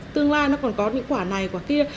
tương lai nó còn có những quả này quả kia